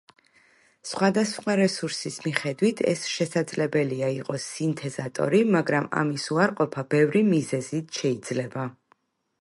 სხვადასხვა რესურსის მიხედვით, ეს შესაძლებელია იყოს სინთეზატორი, მაგრამ ამის უარყოფა ბევრი მიზეზით შეიძლება.